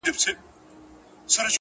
o چي لو کونه وينې، ځيني تښته!.